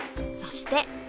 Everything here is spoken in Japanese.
そして